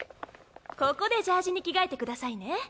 ここでジャージーに着替えてくださいね。